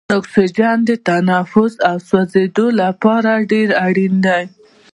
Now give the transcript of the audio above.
اکسیجن د تنفس او سوځیدو لپاره ډیر اړین دی.